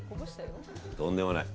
とんでもない。